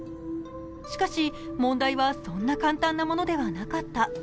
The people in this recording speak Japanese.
しかし、問題はそんな簡単なものではなかった。